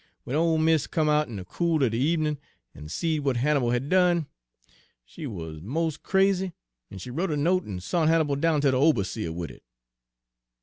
W'en ole mis' come out in de cool er de ebenin', en seed w'at Hannibal had done, she wuz mos' crazy, en she wrote a note en sont Hannibal down ter de oberseah wid it.